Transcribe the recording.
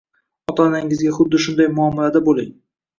ota-onangizga xuddi shunday muomalada bo‘ling.